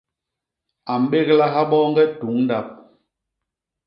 A mbéglaha boñge tuñ ndap.